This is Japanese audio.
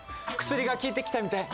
薬が効いてきたみたい。